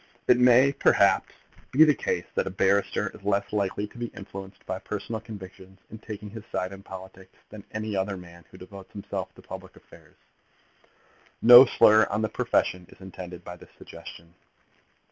It may, perhaps, be the case that a barrister is less likely to be influenced by personal convictions in taking his side in politics than any other man who devotes himself to public affairs. No slur on the profession is intended by this suggestion.